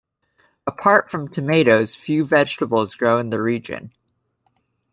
Apart from tomatoes few vegetables grow in the region.